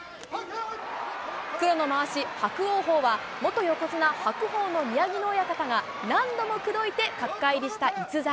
黒のまわし、伯桜鵬は、元横綱・白鵬の宮城野親方が何度も口説いて角界入りした逸材。